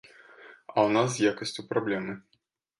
А ў нас з якасцю праблемы.